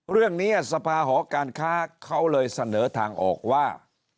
เรื่องนี้สภาหอการค้าเขาเลยเสนอทางออกว่า